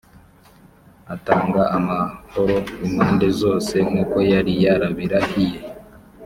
atanga amahoro impande zose nk uko yari yarabirahiye